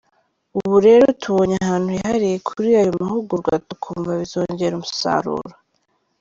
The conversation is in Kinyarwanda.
Ubu rero tubonye ahantu hihariye kuri ayo mahugurwa tukumva bizongera umusaruro”.